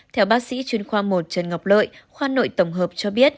theo bác sĩ chuyên khoa một trần ngọc lợi khoa nội tổng hợp cho biết